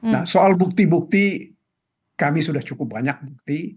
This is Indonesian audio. nah soal bukti bukti kami sudah cukup banyak bukti